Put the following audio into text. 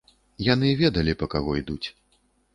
Яны ведалі, па каго ідуць.